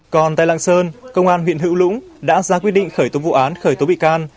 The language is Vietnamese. còn tại lạng sơn công an huyện hữu lũng đã ra quyết định khởi tố vụ án khởi tố bị can